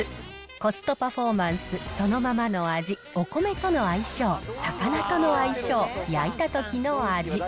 コストパフォーマンス、そのままの味、お米との相性、魚との相性、焼いたときの味。